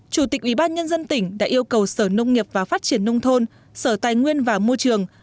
chủ tịch ủy ban nhân dân tỉnh đã yêu cầu sở nông nghiệp và phát triển nông thôn sở tài nguyên và môi trường